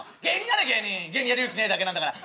芸人やる勇気ないだけなんだから。